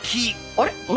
あれ？